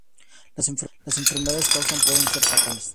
Las enfermedades causadas pueden ser fatales.